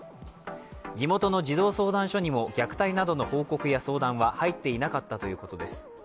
地元の児童相談所にも虐待などの報告や相談は入っていなかったということです。